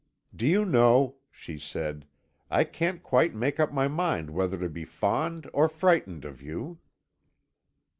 "Do you know," she said, "I can't quite make up my mind whether to be fond or frightened of you."